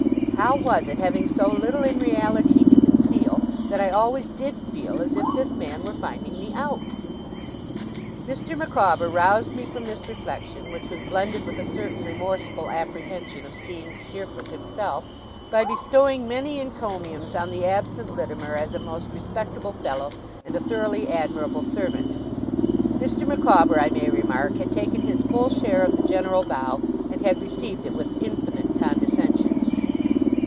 How was it, having so little in reality to conceal, that I always DID feel as if this man were finding me out? Mr. Micawber roused me from this reflection, which was blended with a certain remorseful apprehension of seeing Steerforth himself, by bestowing many encomiums on the absent Littimer as a most respectable fellow, and a thoroughly admirable servant. Mr. Micawber, I may remark, had taken his full share of the general bow, and had received it with infinite condescension.